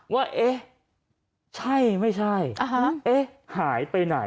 ว่าเอ๊ะใช่ไม่ใช่เอ๊ะหายไปไหน